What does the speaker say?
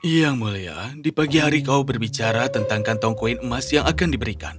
yang mulia di pagi hari kau berbicara tentang kantong koin emas yang akan diberikan